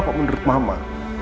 apa menurut mama